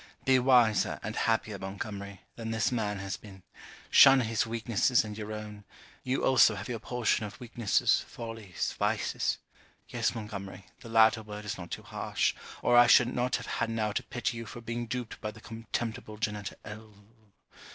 Be wiser and happier, Montgomery, than this man has been; shun his weaknesses and your own; you also have your portion of weaknesses follies, vices. Yes Montgomery the latter word is not too harsh, or I should not have had now to pity you for being duped by the contemptible Janetta L